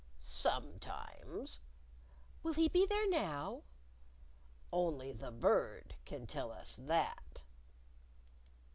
"Sometimes." "Will he be there now?" "Only the Bird can tell us that."